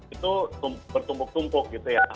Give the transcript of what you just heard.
itu bertumpuk tumpuk gitu ya